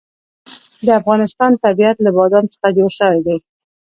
د افغانستان طبیعت له بادام څخه جوړ شوی دی.